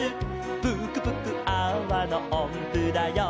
「ぷくぷくアワのおんぷだよ」